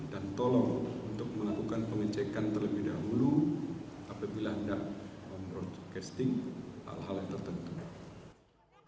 dan tolong untuk melakukan pengecekan terlebih dahulu apabila anda memperkosting hal hal tertentu